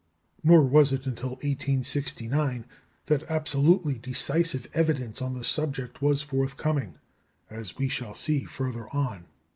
Nor was it until 1869 that absolutely decisive evidence on the subject was forthcoming, as we shall see further on.